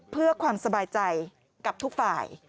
เพื่อความสบายใจกับทุกฝ่าย